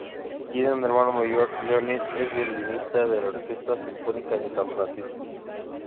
Tiene un hermano mayor Leonid, es violinista de la Orquesta Sinfónica de San Francisco.